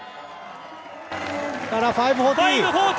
５４０。